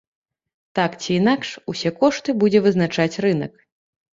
Так ці інакш, усе кошты будзе вызначаць рынак.